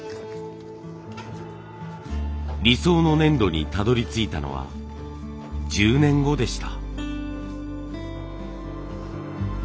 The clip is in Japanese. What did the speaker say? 理想の粘土にたどりついたのは１０年後でした。